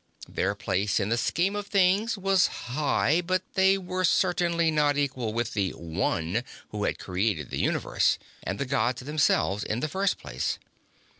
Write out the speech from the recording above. Their place in the scheme of things was high, but they were certainly not equal with the One who had created the Universe and the Gods themselves in the first place.